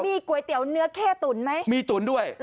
มีก๋วยเตี๋ยวเนื้อเข้ตุ๋นไหมมีตุ๋นด้วย